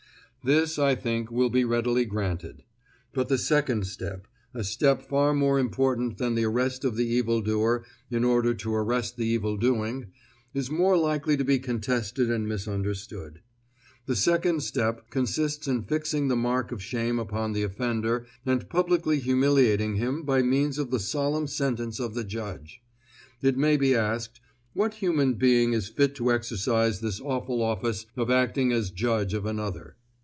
This, I think, will be readily granted. But the second step, a step far more important than the arrest of the evildoer in order to arrest the evildoing, is more likely to be contested and misunderstood. The second step consists in fixing the mark of shame upon the offender and publicly humiliating him by means of the solemn sentence of the judge. It may be asked, What human being is fit to exercise this awful office of acting as judge of another?